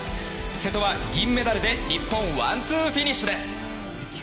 瀬戸は銀メダルで日本ワンツーフィニッシュです。